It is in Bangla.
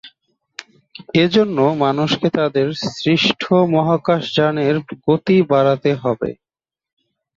এজন্য মানুষকে তাদের সৃষ্ট মহাকাশযানের গতি বাড়াতে হবে।